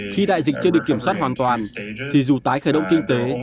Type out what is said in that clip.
khi đại dịch chưa được kiểm soát hoàn toàn thì dù tái khởi động kinh tế